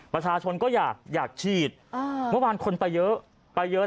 ประชาชนก็อยากอยากฉีดเมื่อวานคนไปเยอะไปเยอะ